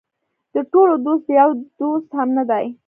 د ټولو دوست د یو دوست هم نه دی.